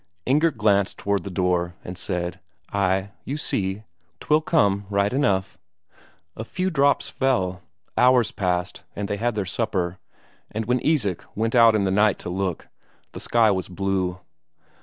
Inger glanced towards the door and said, "Ay, you see, 'twill come right enough." A few drops fell. Hours passed, they had their supper, and when Isak went out in the night to look, the sky was blue.